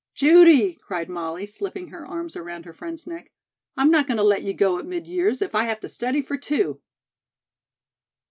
"Judy," cried Molly, slipping her arms around her friend's neck, "I'm not going to let you go at mid years if I have to study for two."